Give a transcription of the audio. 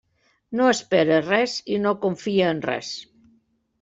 No espere res i no confie en res.